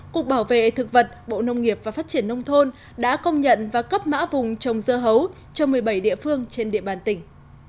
cục bảo vệ thực vật bộ nông nghiệp và phát triển nông thôn đã công nhận và cấp mã vùng trồng dưa hấu cho một mươi bảy địa phương trên địa bàn tỉnh